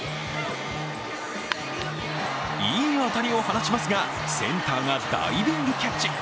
いい当たりを放ちますが、センターがダイビングキャッチ。